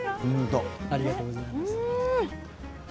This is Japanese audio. ありがとうございます。